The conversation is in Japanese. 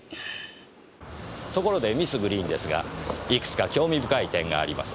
ところでミス・グリーンですがいくつか興味深い点があります。